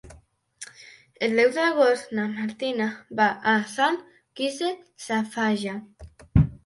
El deu d'agost na Martina va a Sant Quirze Safaja.